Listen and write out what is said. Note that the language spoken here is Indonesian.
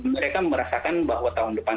mereka merasakan bahwa tahun depan